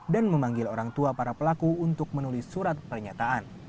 memanggil orang tua para pelaku untuk menulis surat pernyataan